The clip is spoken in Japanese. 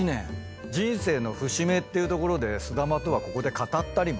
人生の節目っていうところですだまとはここで語ったりも。